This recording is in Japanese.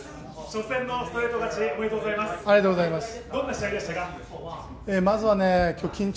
初戦のストレート勝ちおめでとうございます。